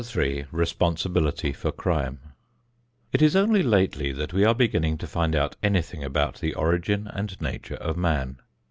III RESPONSIBILITY FOR CRIME It is only lately that we are beginning to find out anything about the origin and nature of man.